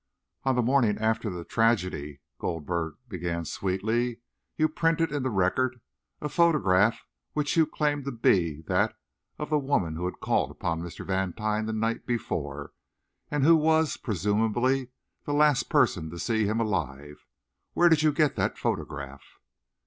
"On the morning after the tragedy," Goldberger began sweetly, "you printed in the Record a photograph which you claimed to be that of the woman who had called upon Mr. Vantine the night before, and who was, presumably, the last person to see him alive. Where did you get that photograph?"